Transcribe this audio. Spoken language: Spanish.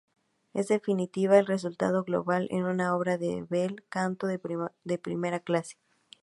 En definitiva, el resultado global es una obra de bel canto de primera clase.